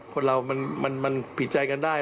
คนเรามันผิดใจกันได้